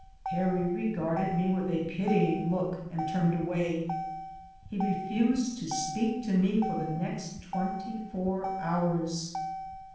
Harry regarded me with a pitying look and turned away. He refused to speak to me for the neirt twenty four hours.